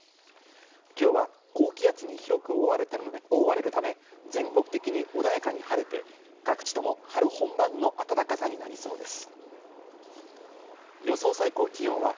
今日は高気圧に広く覆われるため、全国的に穏やかに晴れて、各地とも春本番の暖かさになりそうです。